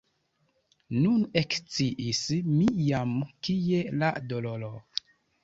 Nun eksciis mi jam, kie la doloro?